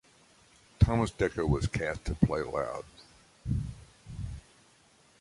Thomas Dekker was cast to play Loud.